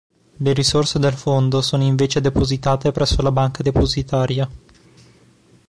Le risorse del fondo sono invece depositate presso la banca depositaria.